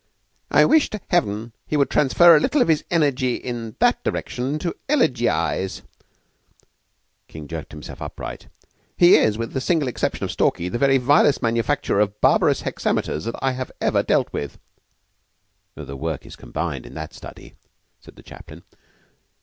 "I wish to Heaven he would transfer a little of his energy in that direction to Elegiacs." King jerked himself upright. "He is, with the single exception of Stalky, the very vilest manufacturer of 'barbarous hexameters' that I have ever dealt with." "The work is combined in that study," said the chaplain.